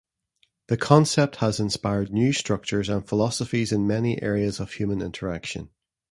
The concept has inspired new structures and philosophies in many areas of human interaction.